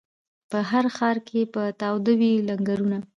په هر ښار کي به تاوده وي لنګرونه